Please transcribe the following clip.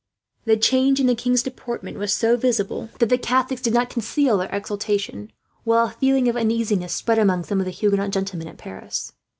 The change in the king's deportment was so visible that the Catholics did not conceal their exultation, while a feeling of uneasiness spread among some of the Huguenot gentlemen at Paris.